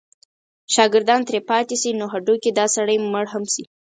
شاګردان ترې پاتې شي نو هډو که دا سړی مړ هم شي.